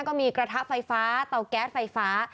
ก็มีกระทะไฟฟ้าเตาแก๊สไฟฟ้า